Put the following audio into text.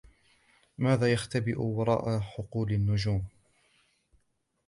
وماذا يختبئ وراء حقول النجوم؟